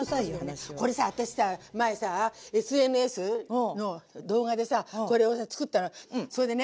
これさ私さ前さぁＳＮＳの動画でさこれをつくったらそれでね